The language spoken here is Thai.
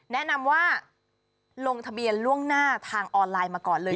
แนะนำว่าลงทะเบียนล่วงหน้าทางออนไลน์มาก่อนเลย